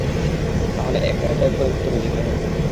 তাহলে একাই ড্রাইভ করে উত্তরে যেতে হবে।